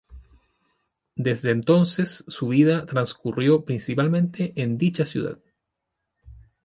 Desde entonces su vida transcurrió principalmente en dicha ciudad.